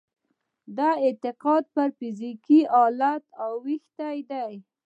دا اعتقاد پر فزيکي حالت اوښتی دی.